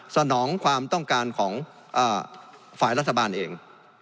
สนองความต้องการของฝ่ายรัฐบาลเอง